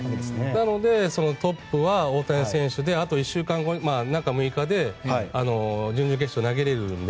なのでトップは大谷選手であと１週間後、中６日で準々決勝を投げれるので。